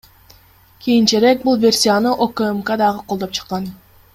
Кийинчерээк бул версияны УКМК дагы колдоп чыккан.